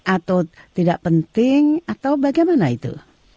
atau tidak penting atau bagaimana itu